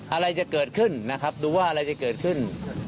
อะไรจะเกิดขึ้นนะครับดูว่าอะไรจะเกิดขึ้น